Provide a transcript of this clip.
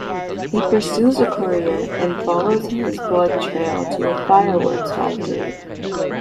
He pursues a courier and follows his blood trail to a fireworks factory.